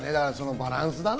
バランスだな。